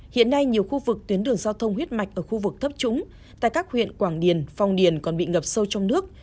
hiện nay nhiều khu vực tuyến đường giao thông huyết mạch ở khu vực thấp trũng tại các huyện quảng điền phong điền còn bị ngập sâu trong nước